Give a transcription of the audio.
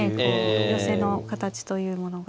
寄せの形というものが。